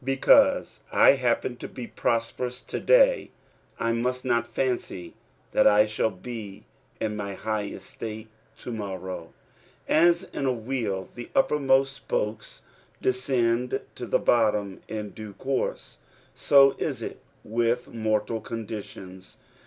Because I happen to be prosperous to daj, 1 must not fancy that I sh&ll beia mj high estate to morTOW, As io.awheel, the uppermost Bpokea descend to tbo bottom in due course, so ia it with mortal conditions.